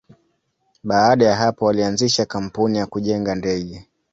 Baada ya hapo, walianzisha kampuni ya kujenga ndege.